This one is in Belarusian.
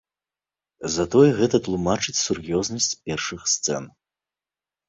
Затое гэта тлумачыць сур'ёзнасць першых сцэн.